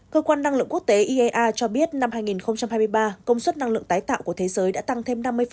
cơ quan năng lượng quốc tế iea cho biết năm hai nghìn hai mươi ba công suất năng lượng tái tạo của thế giới đã tăng thêm năm mươi